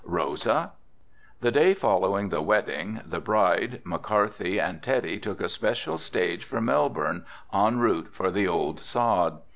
"Rosa?" The day following the wedding, the bride, McCarthy and Teddy took a special stage for Melbourne en route for the old sod.